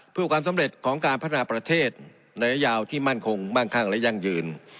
เพื่อความสำเร็จของการพัฒนาประเทศในระยะยาวที่มั่นคงมั่งคั่งและยั่งยืน